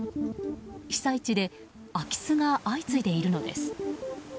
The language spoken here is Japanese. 被災地で空き巣が相次いでいるのです。